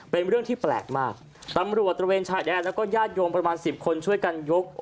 เป็นเรื่องที่แปลกมากตำรวจตระเวนชายแดนแล้วก็ญาติโยมประมาณสิบคนช่วยกันยก